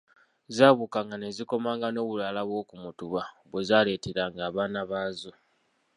Zaabukanga ne zikomanga n'obubala bw'oku mutuba bwe zaaleteranga abaana baazo.